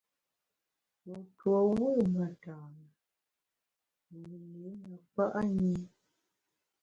Wu tuo wù metane, wu li ne kpa’ nyi.